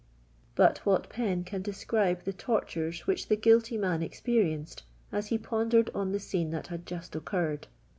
But what pen can describe the tortures which the guilty man experienced, as he pondered on the scene that had just occurred?